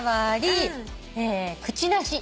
クチナシ。